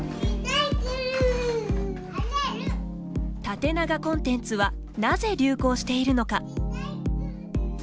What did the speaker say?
縦長コンテンツはなぜ流行しているのか。